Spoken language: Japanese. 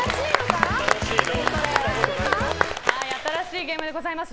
新しいゲームでございます。